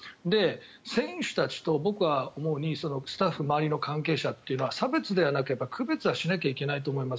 選手たちと、僕が思うにスタッフ周りの関係者というのは差別じゃなくて区別をしなければいけないと思います。